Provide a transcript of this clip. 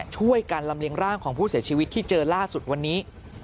ช่วยกันลำเลียงร่างของผู้เสียชีวิตที่เจอล่าสุดวันนี้